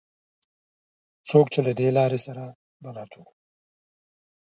څوک چې له دې لارې سره بلد وو.